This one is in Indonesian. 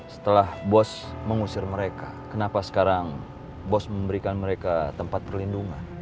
setelah bos mengusir mereka kenapa sekarang bos memberikan mereka tempat perlindungan